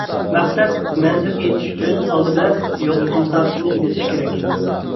مەقسەت مەنزىلىگە يېتىش ئۈچۈن، ئالدى بىلەن يوقلۇق مۇساپىسىنى بېسىش كېرەك.